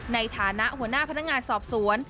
ในฐานะหัวหน้าพนักงานสอบสวน